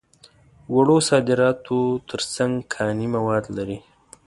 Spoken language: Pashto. وړو صادراتو تر څنګ کاني مواد لري.